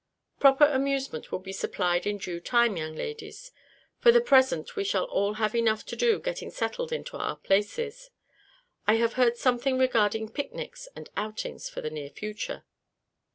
"Proper amusement will be supplied in due time, young ladies. For the present we shall all have enough to do getting settled into our places. I have heard something regarding picnics and outings for the near future.